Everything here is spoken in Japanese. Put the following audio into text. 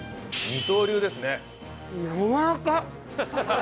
二刀流ですね。